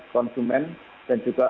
konsumen dan juga